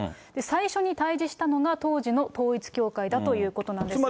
最初に対じしたのが、当時の統一教会だということなんです。